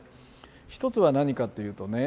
一つは何かっていうとね